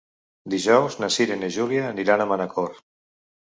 Dijous na Cira i na Júlia aniran a Manacor.